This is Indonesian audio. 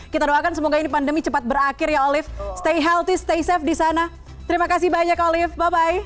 kita doakan semoga ini pandemi cepat berakhir ya olive stay healthy stay safe di sana terima kasih banyak olive bapak